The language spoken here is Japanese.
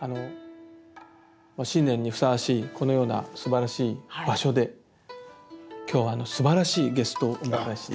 新年にふさわしいこのようなすばらしい場所で今日はすばらしいゲストをお迎えして。